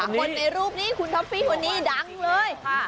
คนในรูปนี้คุณท็อฟฟี่คนนี้ดังเลย